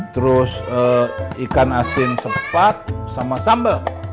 terus ikan asin setepat sama sambal